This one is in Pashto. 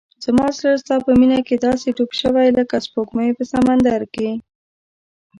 زما زړه ستا په مینه کې داسې ډوب شوی لکه سپوږمۍ په سمندر کې.